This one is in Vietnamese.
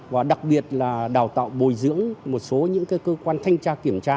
và đặc biệt là đào tạo bồi dưỡng một số những cơ quan thanh tra kiểm tra